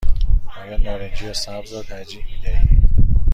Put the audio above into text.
آیا نارنجی یا سبز را ترجیح می دهی؟